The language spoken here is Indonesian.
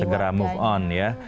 segera move on ya